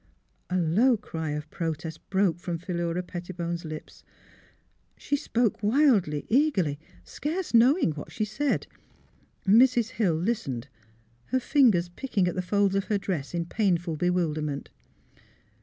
A low cry of protest broke from Philura Petti bone's lips. She spoke wildly, eagerly, scarce knowing what she said. Mrs. Hill listened, her fingers picking at the folds of her dress in pain ful bewilderment.